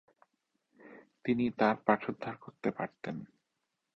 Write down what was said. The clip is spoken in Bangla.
তিনি তার পাঠোদ্ধার করতে পারতেন।